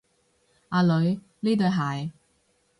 阿女，呢對鞋